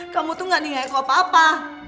kamu tuh gak nih kayak kawan papa